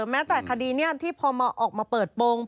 แม้แต่คดีนี้ที่พอออกมาเปิดโปรง